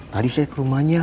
tadi saya ke rumahnya